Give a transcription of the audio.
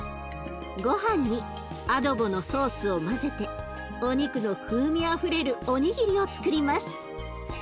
ごはんにアドボのソースを混ぜてお肉の風味あふれるおにぎりをつくります。